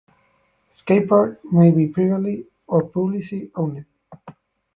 Skateparks may be privately or publicly owned.